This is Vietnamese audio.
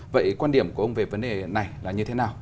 vậy quan điểm của ông về vấn đề này là như thế nào